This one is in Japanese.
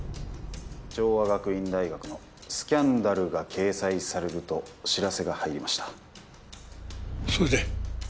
城和学院大学のスキャンダルが掲載されると知らせが入りましたそれで？